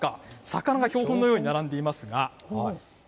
魚が標本のように並んでいますが。